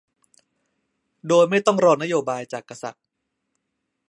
โดยไม่ต้องรอนโยบายจากกษัตริย์